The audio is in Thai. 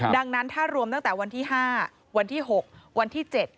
ดังนั้นถ้ารวมตั้งแต่วันที่๕วันที่๖วันที่๗